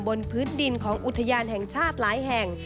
บนพื้นดินของอุทยานแห่งชาติหลายแห่ง